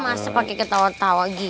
masa pake ketawa ketawa gitu